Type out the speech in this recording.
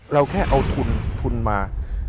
เราแค่เอาทุนทุนมา